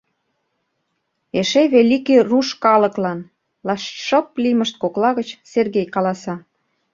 — Эше великий руш калыклан! — лач шып лиймышт кокла гыч Сергей каласа.